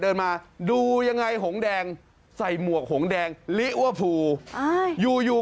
เดินมาดูยังไงหงแดงใส่หมวกหงแดงลิเวอร์พูลอยู่อยู่